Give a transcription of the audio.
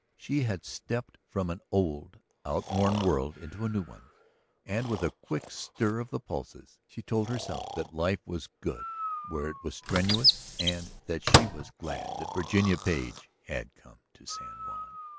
She had stepped from an old, outworn world into a new one, and with a quick stir of the pulses she told herself that life was good where it was strenuous and that she was glad that Virginia Page had come to San Juan.